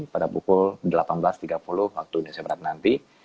pada pukul delapan belas tiga puluh waktu desember nanti